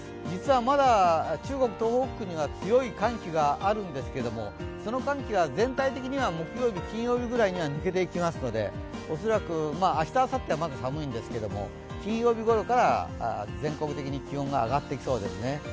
実はまだ中国東北には強い寒気があるんですけどその寒気は全体的には木曜日、金曜日くらいには抜けていきますので恐らく明日あさってはまず寒いんですけど金曜日ごろから全国的に気温が上がっていきそうですね。